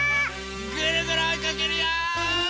ぐるぐるおいかけるよ！